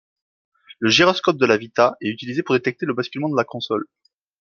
Le gyroscope de la Vita est utilisé pour détecter le basculement de la console.